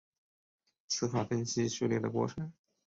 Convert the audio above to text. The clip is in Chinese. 词法分析序列的过程。